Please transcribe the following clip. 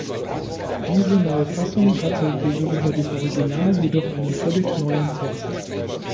Diese neue Fassung hatte gegenüber dem Original jedoch einen völlig neuen Text.